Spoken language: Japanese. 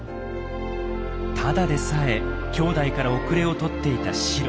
ただでさえきょうだいから後れを取っていたシロ。